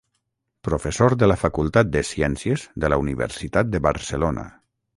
Professor de la Facultat de Ciències de la Universitat de Barcelona.